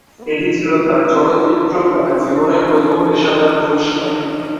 এটি ছিল তার চলচ্চিত্রকার জীবনের প্রথম পেশাদার পুরস্কার।